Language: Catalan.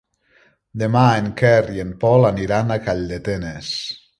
Demà en Quer i en Pol aniran a Calldetenes.